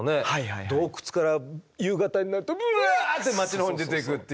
洞窟から夕方になるとブワッて街のほうに出ていくっていう。